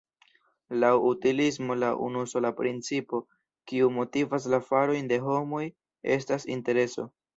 Laŭ utilismo la unusola principo kiu motivas la farojn de homoj estas intereso.